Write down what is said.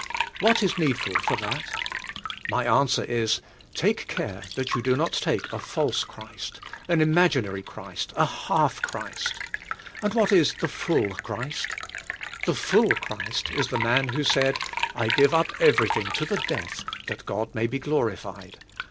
V/hat is needful for that? My answer is: "Take care that you do not take a false Christ, an imaginary Christ, a half Christ." And what is the full Christ? The full Christ is the man who said, "I give up every thing to the death that God may be glorified.